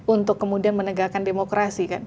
untuk kemudian menegakkan demokrasi kan